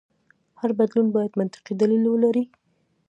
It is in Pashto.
هر بدلون باید منطقي دلیل ولري.